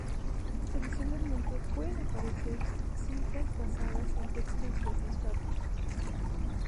Adicionalmente pueden aparecer cintas basadas en el contexto de los datos.